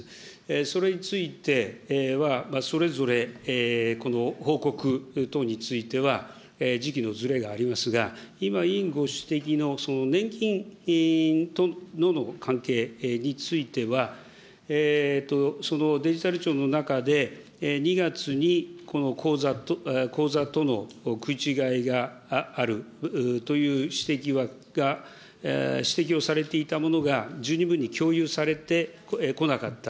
それについては、それぞれこの報告等については、時期のずれがありますが、今、委員ご指摘の年金との関係については、デジタル庁の中で、２月に口座との食い違いがあるという指摘をされていたものが、十二分に共有されてこなかった。